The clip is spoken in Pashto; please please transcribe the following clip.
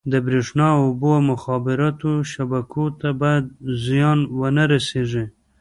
د بریښنا، اوبو او مخابراتو شبکو ته باید زیان ونه رسېږي.